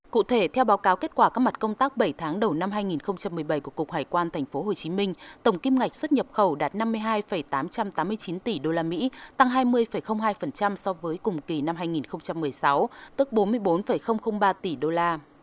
cụ thể theo báo cáo kết quả các mặt công tác bảy tháng đầu năm hai nghìn một mươi bảy của cục hải quan tp hcm tổng kim ngạch xuất nhập khẩu đạt năm mươi hai tám trăm tám mươi chín tỷ usd tăng hai mươi hai so với cùng kỳ năm hai nghìn một mươi sáu tức bốn mươi bốn ba tỷ đô la